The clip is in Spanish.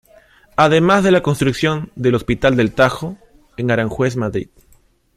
Además de la construcción del Hospital del Tajo, en Aranjuez, Madrid.